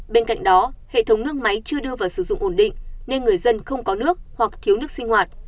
bên cạnh đó hệ thống nước máy chưa đưa vào sử dụng ổn định